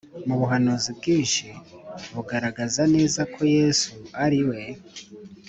mu buhanuzi bwinshi bugaragaza neza ko Yesu ari we